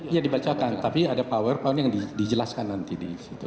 ya dibacakan tapi ada powerpoint yang dijelaskan nanti di situ